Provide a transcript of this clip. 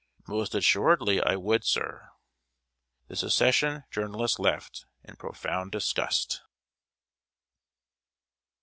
"Most assuredly I would, sir." The Secession journalist left, in profound disgust.